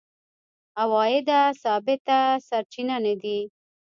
عوایده ثابت سرچینه نه دي.